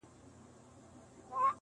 o پای لا هم خلاص پاته کيږي,